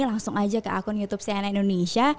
langsung aja ke akun youtube cnn indonesia